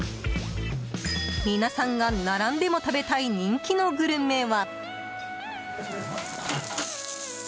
皆さんが並んでも食べたい人気のグルメは。